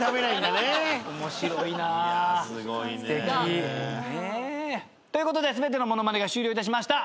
すてき。ということで全てのモノマネが終了いたしました。